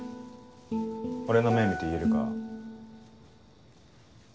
俺の目見て言えるか？